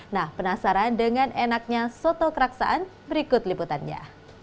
nah penasaran dengan enaknya soto keraksaan berikut liputannya